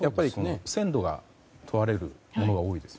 鮮度が問われるものが多いです。